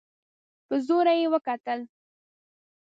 په زوره يې وکتل.